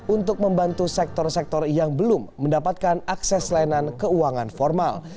untuk membantu sektor sektor yang belum mendapatkan akses layanan keuangan formal